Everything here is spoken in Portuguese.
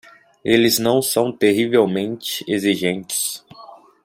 Eles não são terrivelmente exigentes.